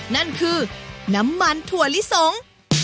นั่นคือน้ำมันถั่วลิสง